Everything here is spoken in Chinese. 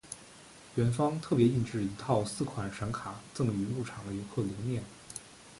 园方特别印制一套四款闪卡赠予入场游客留念。